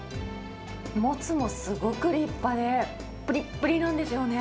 もつもすごく立派で、ぷりっぷりなんですよね。